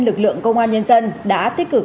lực lượng công an nhân dân đã tích cực